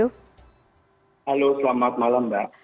halo selamat malam mbak